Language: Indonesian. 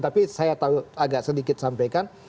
tapi saya agak sedikit sampaikan